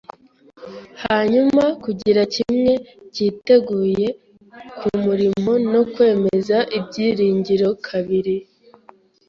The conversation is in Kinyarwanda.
hanyuma, kugira kimwe cyiteguye kumurimo, no kwemeza ibyiringiro kabiri, I.